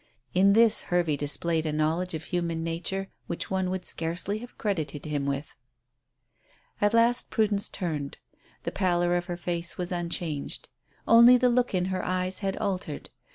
In this Hervey displayed a knowledge of human nature which one would scarcely have credited him with. At last Prudence turned. The pallor of her face was unchanged. Only the look in her eyes had altered.